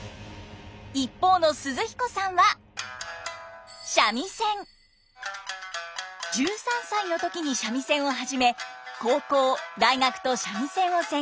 一方の寿々彦さんは１３歳の時に三味線を始め高校大学と三味線を専攻。